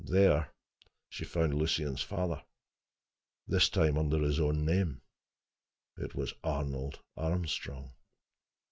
There she found Lucien's father, this time under his own name. It was Arnold Armstrong.